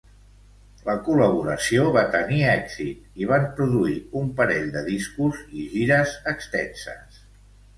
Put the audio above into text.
La col·laboració va tenir èxit, i van produir un parell de discos, i gires extenses.